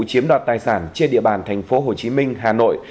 chiếm đoạt tài sản trên địa bàn thành phố hồ chí minh hà nội